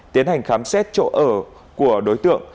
tiến hành khám xét chỗ ở của đối tượng